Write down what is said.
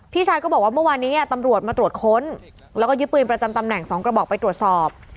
ชายก็บอกว่าเมื่อวานนี้ตำรวจมาตรวจค้นแล้วก็ยึดปืนประจำตำแหน่ง๒กระบอกไปตรวจสอบ